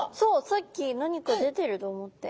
さっき何か出てると思って。